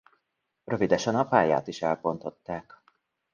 Rövidesen a pályát is elbontották.